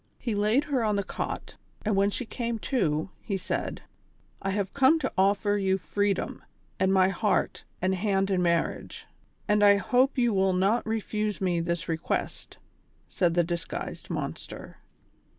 He laid her on the cot, and when she came to, he said : "I have come to offer you freedom and my heart and hand in marriifge, and I hope you will not refuse me this request," said the disguised monster.